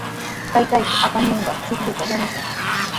Taytayki apamunqan chuqlluta yanushun.